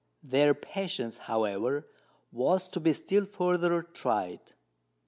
Their patience, however, was to be still further tried.